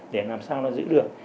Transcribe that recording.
để làm sao nó giữ được